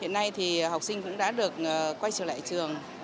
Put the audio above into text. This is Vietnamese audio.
hiện nay thì học sinh cũng đã được quay trở lại trường